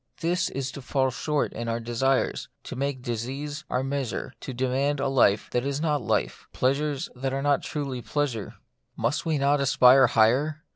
This is to fall short in our desires, to make disease our mea sure, to demand a life that is not life, plea 56 The Mystery of Pain, sures that are not truly pleasure. Must we not aspire higher